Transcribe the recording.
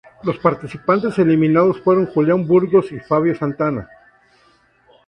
Los participantes eliminados fueron: Julián Burgos y Fabio Santana.